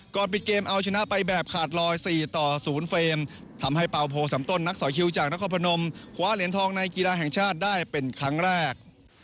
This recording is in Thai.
ปิดเกมเอาชนะไปแบบขาดลอย๔ต่อ๐เฟรมทำให้เปล่าโพสำต้นนักสอยคิวจากนครพนมคว้าเหรียญทองในกีฬาแห่งชาติได้เป็นครั้งแรก